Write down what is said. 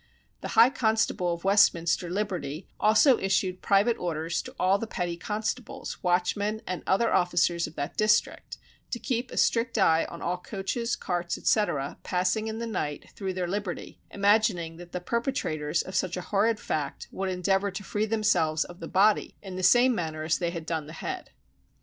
The high constable of Westminster liberty also issued private orders to all the petty constables, watchmen, and other officers of that district, to keep a strict eye on all coaches, carts, etc., passing in the night through their liberty, imagining that the perpetrators of such a horrid fact would endeavour to free themselves of the body in the same manner as they had done the head.